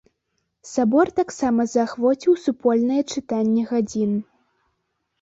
Сабор таксама заахвоціў супольнае чытанне гадзін.